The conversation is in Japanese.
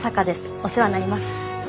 お世話になります。